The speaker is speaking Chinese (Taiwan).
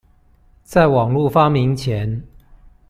在網路發明前